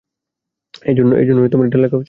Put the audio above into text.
এজন্যই এটা লেখা উচিত।